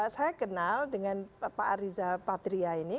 saya kenal dengan pak ariza patria ini